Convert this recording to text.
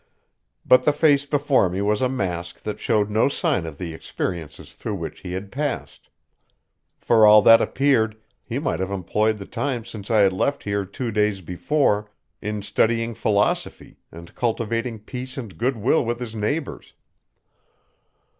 But the face before me was a mask that showed no sign of the experiences through which he had passed. For all that appeared, he might have employed the time since I had left here two days before in studying philosophy and cultivating peace and good will with his neighbors.